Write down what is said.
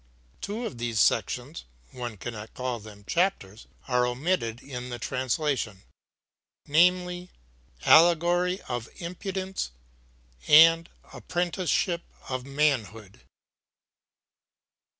Two of these sections one cannot call them chapters are omitted in the translation, namely, "Allegory of Impudence" and, "Apprenticeship of Manhood."